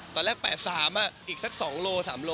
ตอนแรก๘๓กิโลกรัมอีกสัก๒๓กิโลกรัม